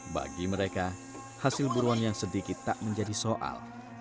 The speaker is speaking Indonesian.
bagi mereka hasil buruan yang sedikit tak menjadi soal